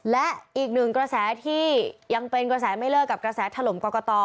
และอีกหนึ่งกระแสที่ยังเป็นกระแสไม่เลิกกับกระแสถล่มกรกต